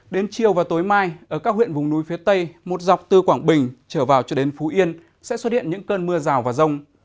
đến chiều và tối mai ở các huyện vùng núi phía tây một dọc từ quảng bình trở vào cho đến phú yên sẽ xuất hiện những cơn mưa rào và rông